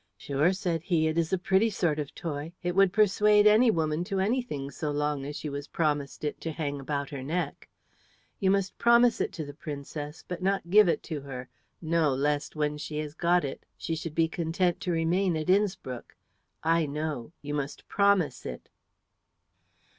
"Sure," said he, "it is a pretty sort of toy. It would persuade any woman to anything so long as she was promised it to hang about her neck. You must promise it to the Princess, but not give it to her no, lest when she has got it she should be content to remain in Innspruck. I know. You must promise it."